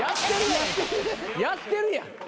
やってるやん。